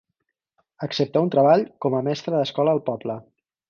Accepta un treball com a mestre d'escola al poble.